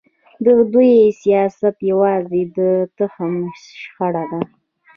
د دوی سیاست یوازې د تخت شخړه ده.